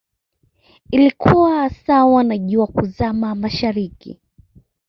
ilikuwa sawa na jua kuzama mashariki